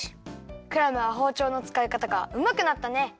クラムはほうちょうのつかいかたがうまくなったね！